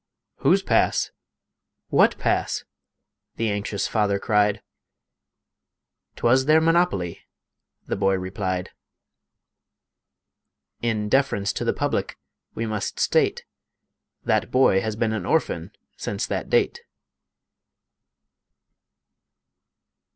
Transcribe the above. "Whose pass? what pass?" the anxious father cried; "'Twas the'r monopoly," the boy replied. In deference to the public, we must state, That boy has been an orphan since that date.